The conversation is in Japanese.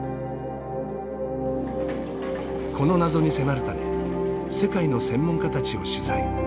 この謎に迫るため世界の専門家たちを取材。